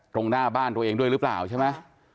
ตรงหน้าบ้านตัวเองด้วยหรือเปล่าใช่ไหม